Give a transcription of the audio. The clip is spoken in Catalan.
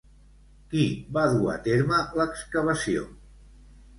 Qui va dur a terme l'excavació?